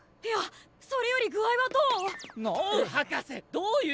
いやそれより具合はどう？